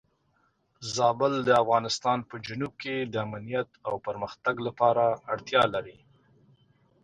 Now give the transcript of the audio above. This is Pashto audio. زابل د افغانستان په جنوب کې د امنیت او پرمختګ لپاره اړتیا لري.